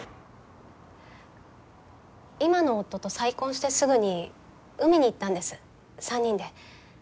今の夫と再婚してすぐに海に行ったんです３人で。